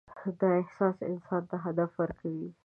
دا احساس انسان ته هدف ورکوي.